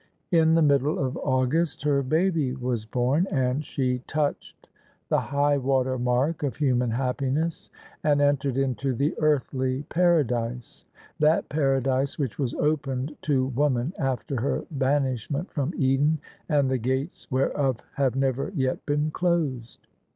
In the middle of August her baby was bom, and she touched the high water mark of human happiness and entered into the earthly paradise : that paradise which was opened to Woman after her banishment from Eden, and the gates whereof have never yet been closed.